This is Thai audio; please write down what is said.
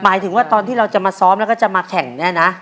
หมายถึงว่าตอนที่เราจะมาซ้อมแล้วก็จะมาแข่งเนี่ยนะ